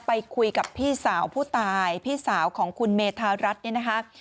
ไปคุยกับพี่สาวผู้ตายพี่สาวของคุณเมธารัฐเนี่ยนะคะ